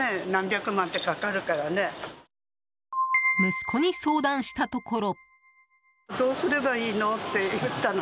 息子に相談したところ。